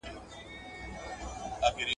ده د خلکو پر حقونو تېری نه کاوه.